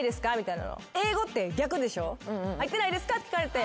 「入ってないですか？」って聞かれて。